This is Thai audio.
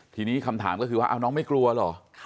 ทีนี้คำถามก็คือว่าน้องไม่กลัวเหรอ